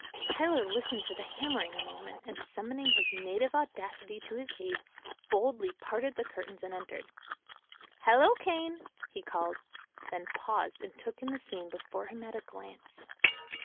Tyler listened to the hammering a moment, and summoning his native audacity to his aid boldly parted the curtains and entered. "Hello, Kane!" he called; then paused and took in the scene before him at a glance.